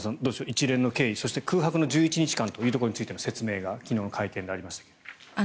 一連の経緯そして空白の１１日間というところについての説明が昨日の会見でありましたが。